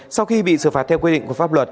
sau khi bị xử phạt theo quy định của pháp luật